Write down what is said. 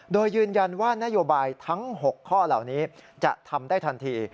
โดยยืนยันว่านโยบายทั้ง๖ข้อเหล่านี้จะทำได้ทันที